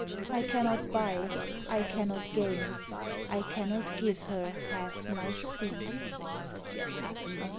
I cannot buy, I cannot gain, I cannot give her half my sleep.